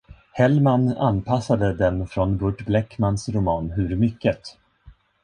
Hellman anpassade den från Burt Blechmans roman Hur Mycket?